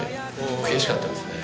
悔しかったんですね。